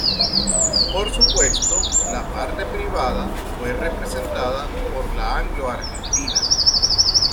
Por supuesto, la parte privada fue representada por la Anglo Argentina.